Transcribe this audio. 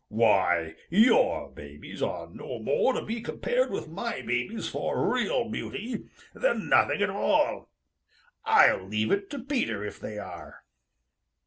Why, your babies are no more to be compared with my babies for real beauty than nothing at all! I'll leave it to Peter if they are."